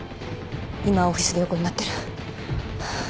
今オフィスで横になってる。